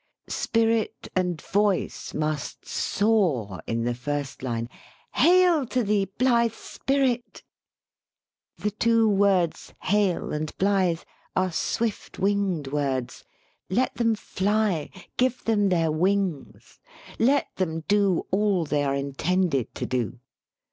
Spirit and voice must soar in the first line, "Hail to thee, blithe Spirit !" The two words '' hail '' and '' blithe '' are swift winged words. Let them fly. Give them their wings. Let them do all they are intended to do.